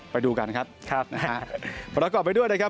ไปดูกันครับนะครับนะครับพอแล้วกลับไปด้วยนะครับ